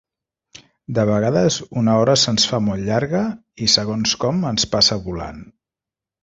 De vegades una hora se'ns fa molt llarga i segons com ens passa volant.